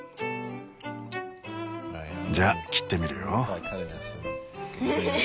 じゃあ切ってみるよ。